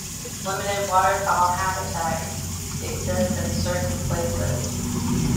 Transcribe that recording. Limited waterfowl habitat exists in certain places.